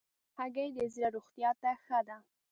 هګۍ د زړه روغتیا ته ښه ده.